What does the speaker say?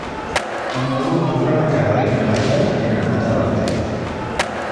El nou d'octubre na Queralt i na Laia aniran a Tavertet.